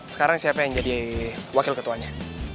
sekarang siapa yang jadi wakil ketuanya